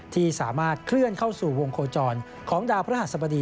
ที่สามารถเคลื่อนเข้าสู่วงโคจรของดาวพระหัสบดี